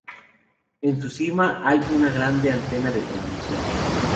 En su cima hay una grande antena de transmisión.